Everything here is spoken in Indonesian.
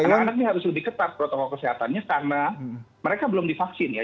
anak anak ini harus lebih ketat protokol kesehatannya karena mereka belum divaksin ya